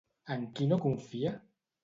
En qui no confia?